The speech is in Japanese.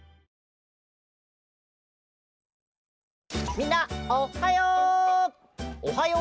みんなおっはよう！